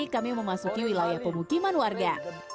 kami memasuki wilayah pemukiman warga